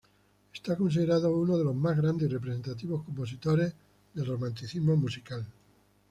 Es considerado uno de los más grandes y representativos compositores del Romanticismo musical.